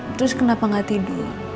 terus kenapa gak tidur